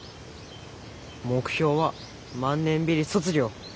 目標は万年ビリ卒業。